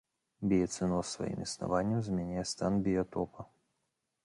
Біяцэноз сваім існаваннем змяняе стан біятопа.